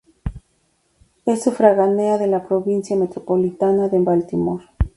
Es sufragánea de la provincia metropolitana de Baltimore.